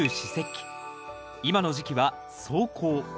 今の時期は霜降。